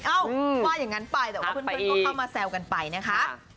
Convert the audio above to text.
ว่าอย่างนั้นไปแต่ว่าเพื่อนก็เข้ามาแซวกันไปนะคะ